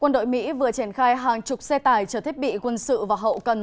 quân đội mỹ vừa triển khai hàng chục xe tải chở thiết bị quân sự và hậu cần